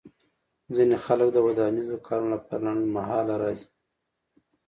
ځینې خلک د ودانیزو کارونو لپاره لنډمهاله راځي